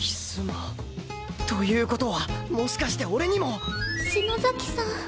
という事はもしかして俺にも篠崎さん。